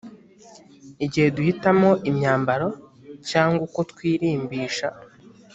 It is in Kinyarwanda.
gihe duhitamo imyambaro cyangwa uko twirimbisha